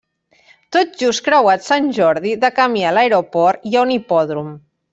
Tot just creuat Sant Jordi, de camí a l'aeroport, hi ha un hipòdrom.